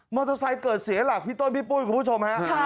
เตอร์ไซค์เกิดเสียหลักพี่ต้นพี่ปุ้ยคุณผู้ชมฮะ